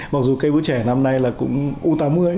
mặc dù cây bú trẻ năm nay là cũng u tám mươi